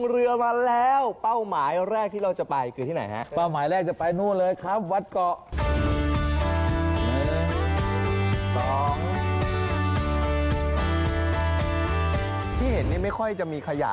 เราไม่ได้สร้างอะไรเลย